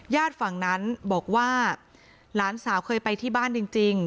ฝั่งนั้นบอกว่าหลานสาวเคยไปที่บ้านจริง